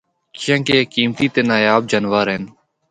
کیانکہ اے قیمتی تے نایاب جانور ہن۔